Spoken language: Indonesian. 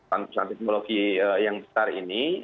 tantangan teknologi yang besar ini